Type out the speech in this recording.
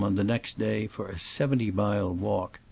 on the next day for a seventy mile walk.